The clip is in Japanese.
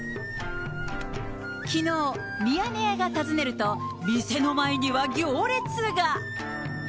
きのう、ミヤネ屋が訪ねると、店の前には行列が。